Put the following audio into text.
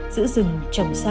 giữ rừng trồng sản